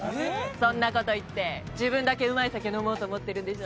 そんなこと言って自分だけうまい酒飲もうと思ってるんでしょ？